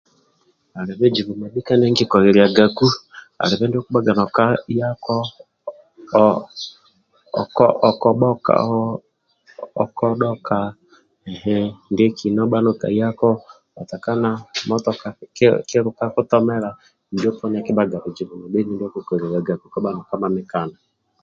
Alibe bizibu mabhika ndie nikiloliliagaku alibe ndio okubhaga no ka yako okobhoka okodhoka hhh ndie kina obha no kayako motoka akutomela kiluka akutomela injo poni akibhaga bizibu ndio okukukoliliagaku kabha no ka mamikana kobha